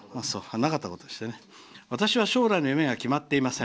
「私は将来の夢は決まっていません。